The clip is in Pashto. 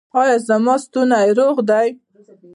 ایا زما ستونی روغ دی؟